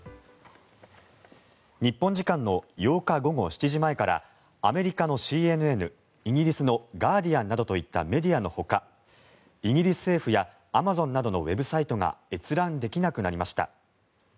日本時間の８日午後７時前からアメリカのＣＮＮイギリスのガーディアンなどといったメディアのほかイギリス政府やアマゾンなどのウェブサイトが閲覧できなくなりました。